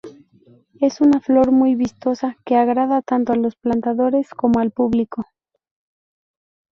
Es una flor muy vistosa que agrada tanto a los plantadores como al público.